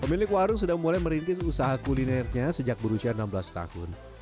pemilik warung sudah mulai merintis usaha kulinernya sejak berusia enam belas tahun